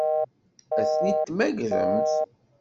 Ad ten-id-temmagremt?